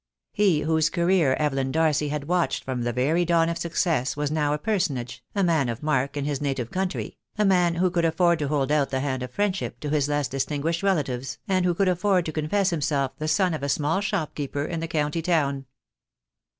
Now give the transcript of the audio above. He whose career Evelyn Darcy had watched from the very dawn of success was now a personage, a man of mark in his native county, a man who could afford to hold out the hand of friendship to his less distinguished relatives, and who could afford to confess himself the son of a small shopkeeper in the county town.